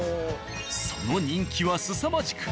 その人気はすさまじく。